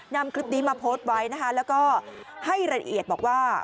นำคลิปนี้มาโพสต์ไว้นะคะแล้วก็ให้รายละเอียดบอกว่า